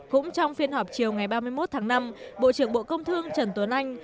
cũng trong phiên họp chiều ngày ba mươi một tháng năm bộ trưởng bộ công thương trần tuấn anh